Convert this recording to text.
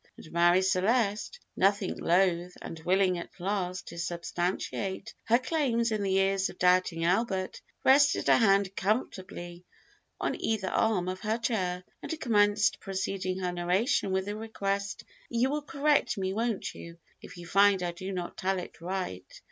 And Marie Celeste, nothing loath, and willing at last to substantiate her claims in the ears of doubting Albert, rested a hand comfortably on either arm of her chair, and commenced, preceding her narration with the request, "You will correct me, won't you, if you find I do not tell it right?"